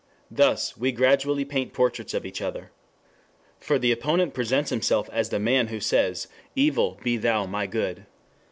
Thus we gradually paint portraits of each other. For the opponent presents himself as the man who says, evil be thou my good.